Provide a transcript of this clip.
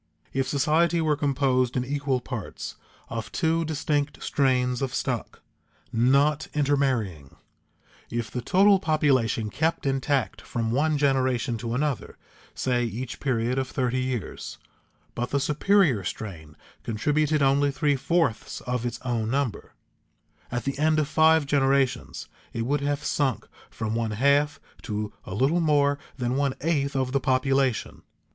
If society were composed in equal parts of two distinct strains of stock, not intermarrying; if the total population kept intact from one generation to another (say each period of thirty years), but the superior strain contributed only three fourths of its own number, at the end of five generations it would have sunk from one half to a little more than one eighth of the population.